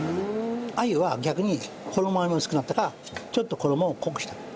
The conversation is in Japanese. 鮎は逆に衣も薄くなったらちょっと衣を濃くしてあげる。